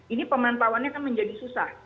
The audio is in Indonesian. ini pemantauannya kan menjadi susah